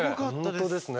本当ですね。